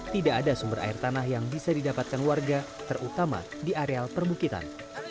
tidak ada sumber air tanah yang bisa didapatkan warga terutama di areal perbukitan